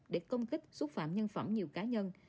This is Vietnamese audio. để công kích xúc phạm nhân phẩm nhiều cá nhân